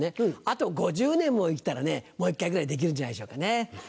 あと５０年も生きたらねもう一回ぐらいできるんじゃないでしょうかね。